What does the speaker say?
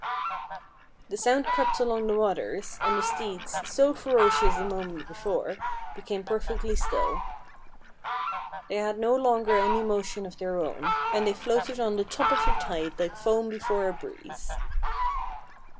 The sound crept along the waters, and the steeds, so ferocious a moment before, became per fectly still. They had no longer any motion of their own, and they floated on the top of the tide like foam before a breeze.